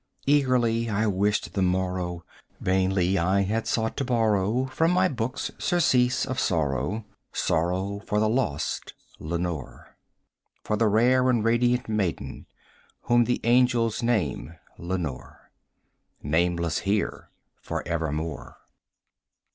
Eagerly I wished the morrow; vainly I had sought to borrow From my books surcease of sorrow sorrow for the lost Lenore, 10 For the rare and radiant maiden whom the angels name Lenore: Nameless here forevermore.